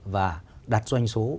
và đạt doanh số